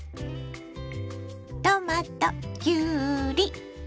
トマトきゅうり